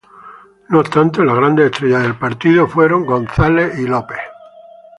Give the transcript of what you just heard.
No obstante, las grandes estrellas del partido fueron Magic y Kareem.